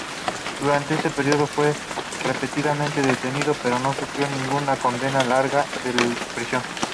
Durante este periodo fue repetidamente detenido, pero no sufrió ninguna condena larga de prisión.